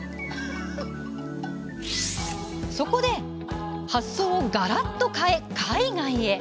そこで発想をがらっと変え海外へ。